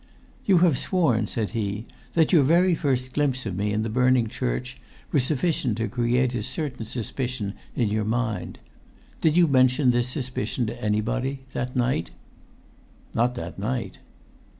"You have sworn," said he, "that your very first glimpse of me in the burning church was sufficient to create a certain suspicion in your mind. Did you mention this suspicion to anybody—that night?" "Not that night."